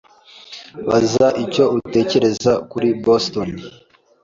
Baza icyo atekereza kuri Boston.